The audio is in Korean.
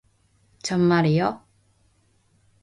정말이요?